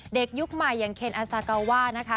ยุคใหม่อย่างเคนอาซากาว่านะคะ